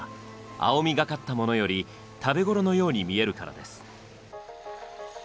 青みがかったものより食べ頃のように見えるからです。